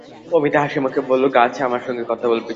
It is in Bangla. অমিতা হাসিমুখে বলল, গাছ আমার সঙ্গে কথা বলবে কি?